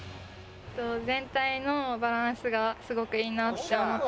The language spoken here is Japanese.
全体のバランスがすごくいいなって思って。